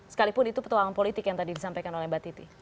sekalipun itu petualangan politik yang tadi disampaikan oleh mbak titi